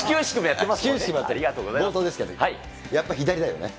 やっぱり左だよね。